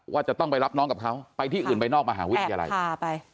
ว่าจะต้องไปรับน้องกับเขาไปที่อื่นไปนอกมหาวิทยาลัยพาไป